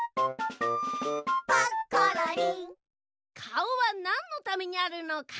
かおはなんのためにあるのか？